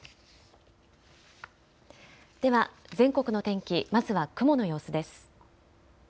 では全国の天気、まずは雲の様子です。